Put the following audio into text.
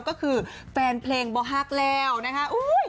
ก็คือแฟนเพลงบ่ฮักแล้วนะคะ